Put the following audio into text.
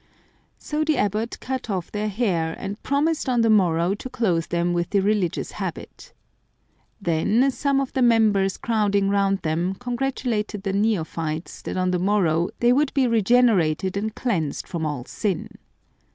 So the abbot cut off their hair, and promised on the morrow to clothe them with the religious habit. Then some of the members crowding round them congratulated the neophytes that on the morrow " they would be regenerated and cleansed from all sin."